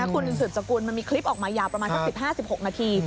คุณสุดสกุลมีคลิปออกมาอย่างประมาณ๑๕๑๖นาที